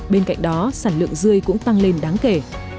bên cạnh đó sản lượng dươi cũng tăng lên đáng kể